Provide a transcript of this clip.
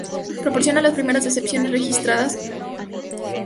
Proporciona las primeras descripciones registradas y detalladas de Aksum y Lalibela.